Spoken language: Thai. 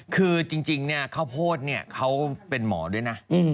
คือจริงเนี่ยค่าพูดเนี่ยเค้าเป็นหมอด้วยนะ